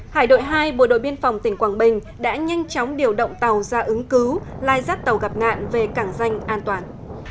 hải đội hai bộ đội biên phòng tỉnh quảng bình đã nhanh chóng điều động tàu ra ứng cứu lai rắt tàu gặp nạn về cảng danh an toàn